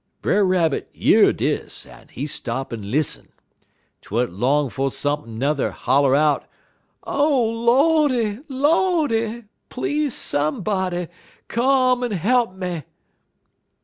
"Brer Rabbit year dis, en he stop en lissen. 'T wa'n't long 'fo' sump'n' n'er holler out: "'O Lordy, Lordy! Please, somebody, come en he'p me.'